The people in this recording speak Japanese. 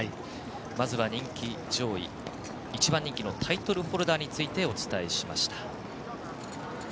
まずは人気上位、１番人気のタイトルホルダーについてお伝えしました。